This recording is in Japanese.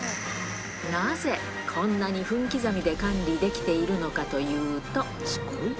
なぜ、こんなに分刻みで管理できているのかというと。